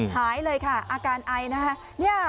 หายเลยค่ะอาการไอนะคะ